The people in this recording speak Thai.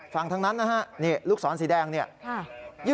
ฝั่งทั้งนั้นนะครับนี่ลูกศรสีแดงนี่